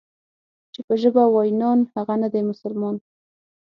چې په ژبه وای نان، هغه نه دی مسلمان.